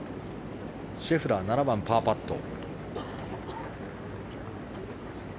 シェフラー、７番、パーパット。